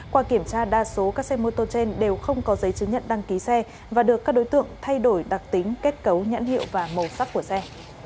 qua kiểm tra đa số các xe mô tô trên đều không có giấy chứng nhận đăng ký xe và được các đối tượng thay đổi đặc tính kết cấu nhãn hiệu và màu sắc của xe